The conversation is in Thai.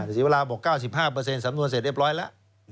ศรีวราบอก๙๕สำนวนเสร็จเรียบร้อยแล้ว